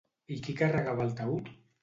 I qui carregava el taüt?